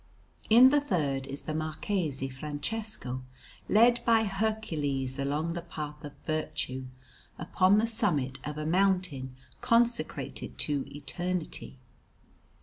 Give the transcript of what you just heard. In the third is the Marquis Francesco, led by Hercules along the path of virtue upon the summit of a mountain consecrated to Eternity.